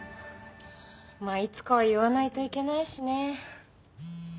まあいつかは言わないといけないしね。